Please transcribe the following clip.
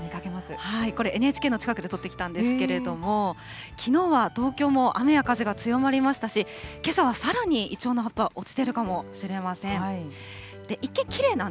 これ、ＮＨＫの近くで撮ってきたんですけれども、きのうは東京も雨や風が強まりましたし、けさはさらに、イチョウの葉っぱ、落ちてるかもしれません。